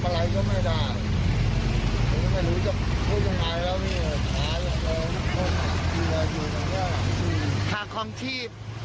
พักความชีพ